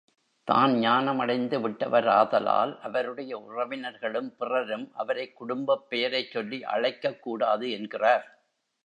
தான் ஞானம் அடைந்து விட்டவராதலால் அவருடைய உறவினர்களும் பிறரும் அவரைக் குடும்பப் பெயரைச் சொல்லி அழைக்கக் கூடாது என்கிறார்.